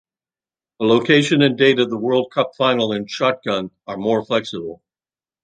The location and date of the World Cup Final in shotgun are more flexible.